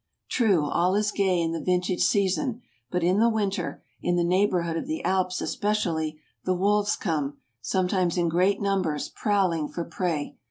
True, all is gay in the vintage season; but in the winter, in the neighbourhood of the Alps especially, the wolves come, some¬ times in great numbers, prowling for prey.